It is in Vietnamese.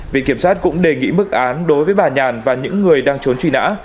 viện kiểm sát cũng đề nghị mức án đối với bà nhàn và những người đang trốn truy nã